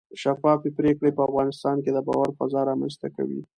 شفافې پرېکړې په افغانستان کې د باور فضا رامنځته کوي